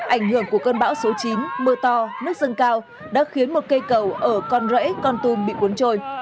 ảnh hưởng của cơn bão số chín mưa to nước sân cao đã khiến một cây cầu ở con rễ con tùm bị cuốn trôi